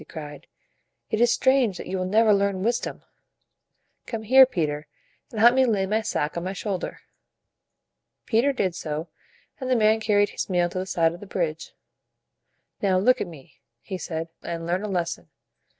he cried. "It is strange that you will never learn wisdom. Come here, Peter, and help me lay my sack on my shoul der." Peter did so, and the man carried his meal to the side of the bridge. "Now look at me," he said, "and learn a lesson."